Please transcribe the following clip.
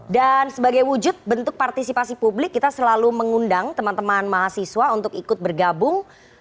dan sebagai wujud bentuk partisipasi publik kita selalu mengundang teman teman mahasiswa untuk ikut bergabung